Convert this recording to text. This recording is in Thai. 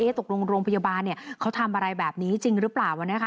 ตกลงโรงพยาบาลเขาทำอะไรแบบนี้จริงหรือเปล่านะคะ